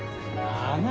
ああ！